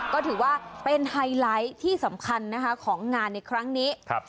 ก็ถือว่าเป็นไฮไลท์ที่สำคัญนะคะของงานในครั้งนี้